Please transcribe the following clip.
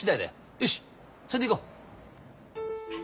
よしそれでいこう！